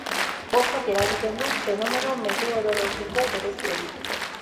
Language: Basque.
Hotzak eragiten du fenomeno meteorologiko berezi hori.